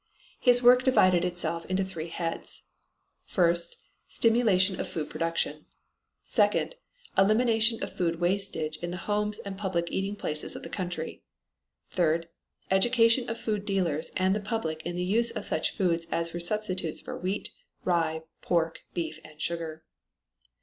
His work divided itself into three heads: First, stimulation of food production. Second, elimination of food wastage in the homes and public eating places of the country. Third, education of food dealers and the public in the use of such foods as were substitutes for wheat, rye, pork, beef and sugar.